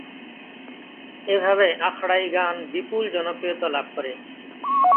এভাবে আখড়াই গান বিপুল জনপ্রিয়তা লাভ করে।